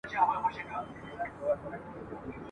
اوس مي پر لکړه هغه لاري ستړي کړي دي !.